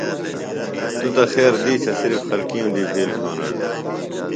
توۡ تہ خیر دیشہ صرفِ خلکیم دی بھیلیۡ جھونڑ دےۡ۔